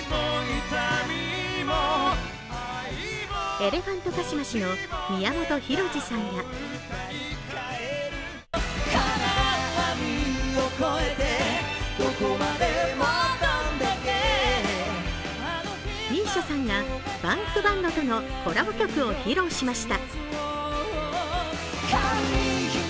エレファントカシマシの宮本浩次さんやＭＩＳＩＡさんがＢａｎｋＢａｎｄとのコラボ曲を披露しました。